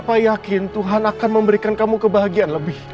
saya yakin tuhan akan memberikan kamu kebahagiaan lebih